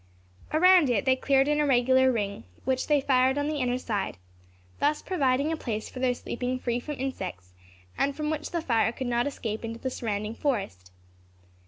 Around it they cleared an irregular ring, which they fired on the inner side, thus providing a place for their sleeping free from insects, and from which fire could not escape into the surrounding forest.